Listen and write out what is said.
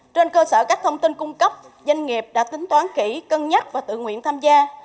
trên cơ sở các thông tin cung cấp doanh nghiệp đã tính toán kỹ cân nhắc và tự nguyện tham gia